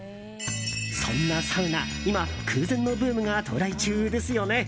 そんなサウナ、今空前のブームが到来中ですよね。